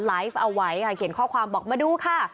ไลฟ์เอาไว้ค่ะเขียนข้อความบอกมาดูค่ะ